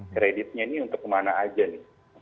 kreditnya ini untuk kemana aja nih